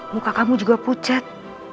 muka kamu juga pucat